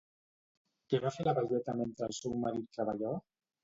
Què va fer la velleta mentre el seu marit treballava?